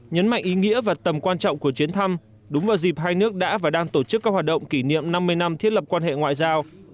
nhấn mạnh ý nghĩa và tầm quan trọng của chuyến thăm đúng vào dịp hai nước đã và đang tổ chức các hoạt động kỷ niệm năm mươi năm thiết lập quan hệ ngoại giao